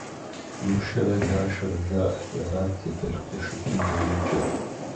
Лушэрэ Лашэрэ жаӏэри арат зэдэлъху-зэшыпхъум зэреджэр.